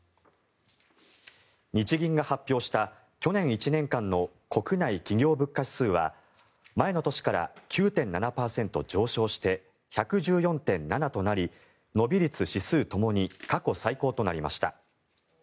日銀が発表した去年１年間の国内企業物価指数は前の年から９．７％上昇して１１４．７となり伸び率、指数ともに過去最高となりました。